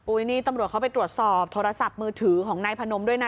นี่ตำรวจเขาไปตรวจสอบโทรศัพท์มือถือของนายพนมด้วยนะ